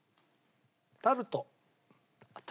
タルト。